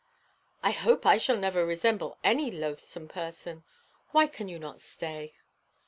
'I hope I shall never resemble any loathsome person. Why can you not stay?'